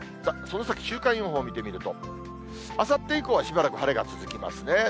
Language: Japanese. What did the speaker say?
その先、週間予報を見てみると、あさって以降はしばらく晴れが続きますね。